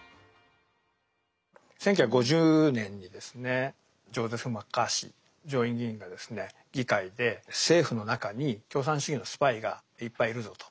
１９５０年にですねジョゼフ・マッカーシー上院議員が議会で政府の中に共産主義のスパイがいっぱいいるぞと。